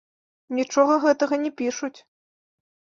Нічога гэтага не пішуць.